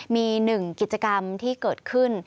มีหนึ่งกิจกรรมที่เกิดขึ้น